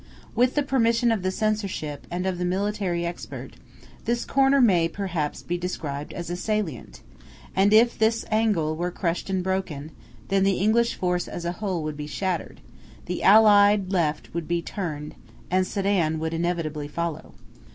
With the permission of the Censorship and of the military expert, this corner may, perhaps, be described as a salient, and if this angle were crushed and broken, then the English force as a whole would be shattered, the Allied left would be turned, and Sedan would inevitably follow.